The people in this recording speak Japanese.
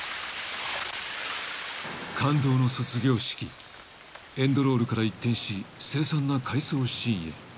［感動の卒業式エンドロールから一転し凄惨な回想シーンへ］